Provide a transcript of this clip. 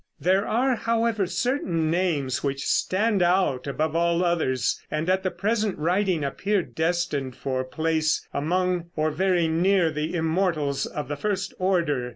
There are, however, certain names which stand out above all others and at the present writing appear destined for place among or very near the immortals of the first order.